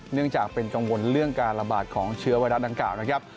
เนื่องจากเป็นกังวลเรื่องการระบาดของเชื้อไวรัสดังกล่าวนะครับ